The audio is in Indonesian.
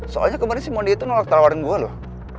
soalnya kemarin si mondi itu nolak tawaran gue loh